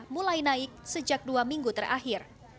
mulai naik sejak dua minggu terakhir